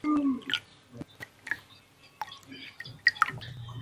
El primer indicio de redes de comunicación fue de tecnología telefónica y telegráfica.